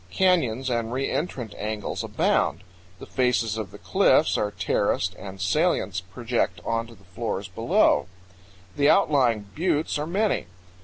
Canyons and re entrant angles abound. The faces of the cliffs are terraced and salients project onto the floors below. The outlying buttes are many.